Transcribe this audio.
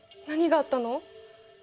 何があったの？